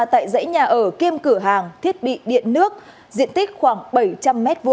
tại dãy nhà ở kiêm cửa hàng thiết bị điện nước diện tích khoảng bảy trăm linh m hai